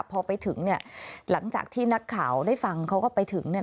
พอไปถึงหลังจากที่นักข่าวได้ฟังเขาก็ไปถึง